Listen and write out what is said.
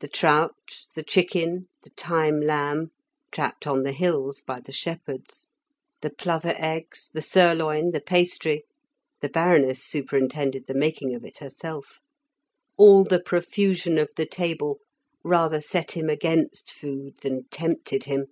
The trout, the chicken, the thyme lamb (trapped on the hills by the shepherds), the plover eggs, the sirloin, the pastry (the Baroness superintended the making of it herself), all the profusion of the table, rather set him against food than tempted him.